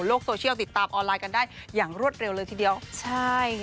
โซเชียลติดตามออนไลน์กันได้อย่างรวดเร็วเลยทีเดียวใช่